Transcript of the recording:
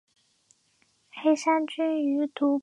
黑山军于毒部进攻武阳。